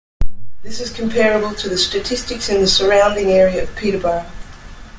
This is comparable to the statistics in the surrounding area of Peterborough.